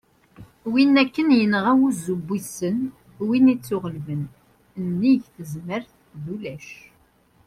win akken yenɣa "wuzzu n wissen", win ittuɣellben : nnig tezmert d ulac